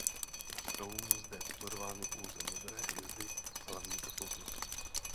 Jsou zde pozorovány pouze modré hvězdy hlavní posloupnosti.